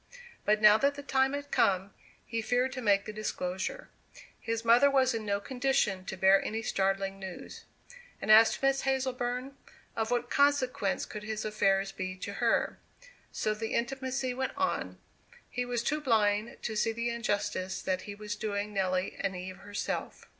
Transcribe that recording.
But now that the time had come, he feared to make the disclosure. His mother was in no condition to bear any startling news. And as to Miss Hazleburn of what consequence could his affairs be to her? So the intimacy went on. He was too blind to see the injustice that he was doing Nelly and Eve herself.